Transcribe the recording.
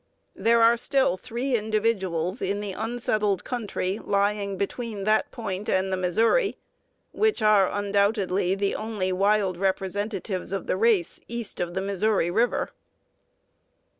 There are still three individuals in the unsettled country lying between that point and the Missouri, which are undoubtedly the only wild representatives of the race east of the Missouri River.